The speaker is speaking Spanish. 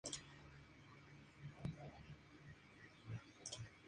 Él tiene que abandonar al hombre, quien muere cuando la bomba detona.